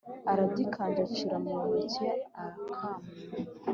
aragikanja acira muntoke arakamura